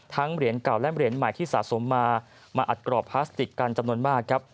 เหรียญเก่าและเหรียญใหม่ที่สะสมมามาอัดกรอบพลาสติกกันจำนวนมากครับ